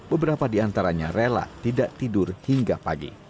beberapa di antaranya rela tidak tidur hingga pagi